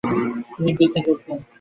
তিনি ব্রিতে যোগ দেন।